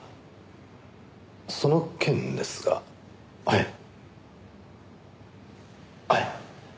その件ですがはいはい。